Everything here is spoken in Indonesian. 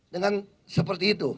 dengan seperti itu